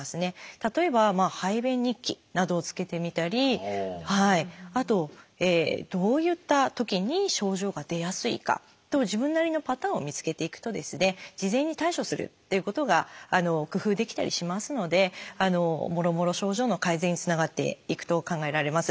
例えば排便日記などをつけてみたりあとどういったときに症状が出やすいか自分なりのパターンを見つけていくと事前に対処するということが工夫できたりしますのでもろもろ症状の改善につながっていくと考えられます。